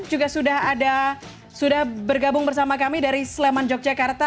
juga sudah ada sudah bergabung bersama kami dari sleman yogyakarta